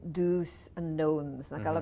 do's and don'ts nah kalau